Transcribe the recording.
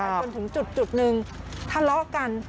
จนถึงจุดหนึ่งทะเลาะกัน